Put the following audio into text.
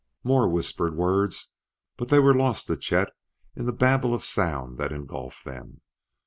More whispered words, but they were lost to Chet in the babel of sound that engulfed them.